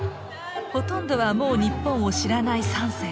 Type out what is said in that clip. ほとんどはもう日本を知らない３世。